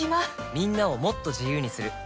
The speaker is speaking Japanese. みんなをもっと自由にする「三菱冷蔵庫」